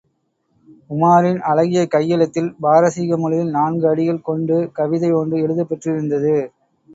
உமாரின் அழகிய கையெழுத்தில், பாரசீகமொழியில் நான்கு அடிகள் கொண்டு கவிதை ஒன்று எழுதப் பெற்றிருந்தது.